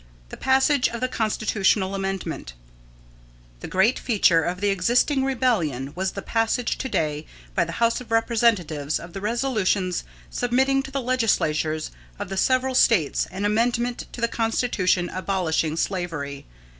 THE PASSAGE OF THE CONSTITUTIONAL AMENDMENT The great feature of the existing rebellion was the passage to day by the House of Representatives of the resolutions submitting to the Legislatures of the several States an amendment to the Constitution abolishing slavery.